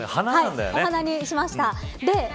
お花にしました。